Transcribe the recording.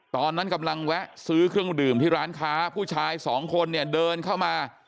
ตอนนั้นกำลังแวะซื้อเครื่องดื่มที่ร้านค้าผู้ชายสองคนเนี่ยเดินเข้ามา